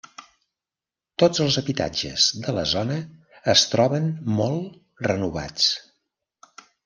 Tots els habitatges de la zona es troben molt renovats.